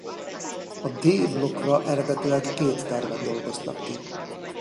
A D blokkra eredetileg két tervet dolgoztak ki.